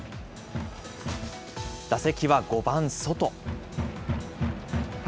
打席は５番ソト。